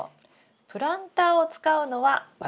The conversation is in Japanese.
プランターを使うのは私流です。